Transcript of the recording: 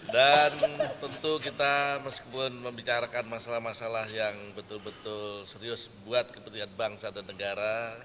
dan tentu kita meskipun membicarakan masalah masalah yang betul betul serius buat kepentingan bangsa dan negara